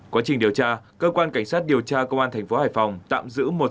quá trình điều tra cơ quan cảnh sát điều tra công an thành phố hải phòng tạm giữ một